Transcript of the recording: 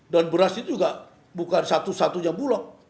dan beras itu juga bukan satu satunya bulog